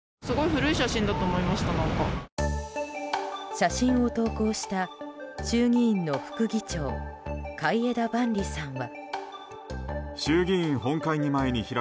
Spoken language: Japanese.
写真を投稿した衆議院の副議長海江田万里さんは。